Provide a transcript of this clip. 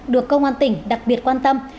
được công an tỉnh đặc biệt quan tâm